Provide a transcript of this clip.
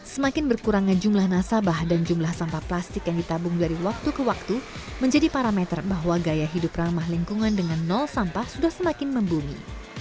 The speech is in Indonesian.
semakin berkurangnya jumlah nasabah dan jumlah sampah plastik yang ditabung dari waktu ke waktu menjadi parameter bahwa gaya hidup ramah lingkungan dengan nol sampah sudah semakin membumi